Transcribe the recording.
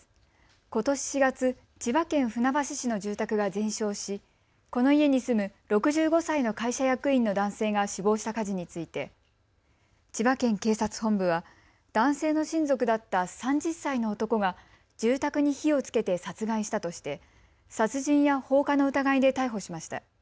ことし４月、千葉県船橋市の住宅が全焼しこの家に住む６５歳の会社役員の男性が死亡した火事について千葉県警察本部は男性の親族だった３０歳の男が住宅に火をつけて殺害したとして殺人や放火の疑いで逮捕しました。